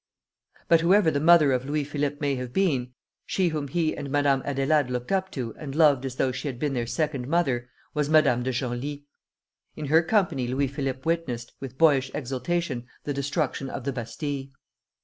But whoever the mother of Louis Philippe may have been, she whom he and Madame Adélaide looked up to and loved as though she had been their second mother, was Madame de Genlis. In her company Louis Philippe witnessed, with boyish exultation, the destruction of the Bastile.